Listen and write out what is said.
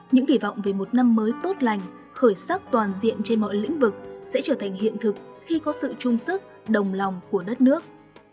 những kỳ vọng về một năm mới tốt lành khởi sắc toàn diện trên mọi lĩnh vực sẽ trở thành hiện thực khi có sự trung sức đồng lòng của đất nước